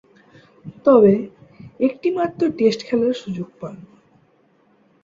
তবে, একটিমাত্র টেস্ট খেলার সুযোগ পান।